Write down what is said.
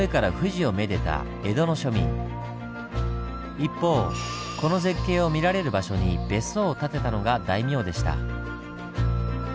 一方この絶景を見られる場所に別荘を建てたのが大名でした。